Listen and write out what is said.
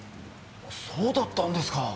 そうだったんですか！